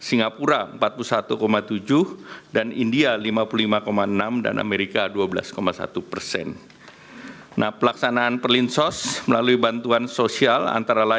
ini juga diberlakukan januari dua ribu dua puluh empat